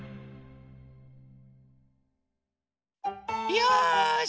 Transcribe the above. よし！